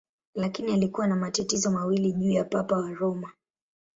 Lakini alikuwa na matatizo mawili juu ya Papa wa Roma.